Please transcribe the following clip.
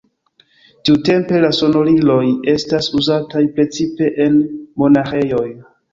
Tiutempe la sonoriloj estas uzataj precipe en monaĥejoj.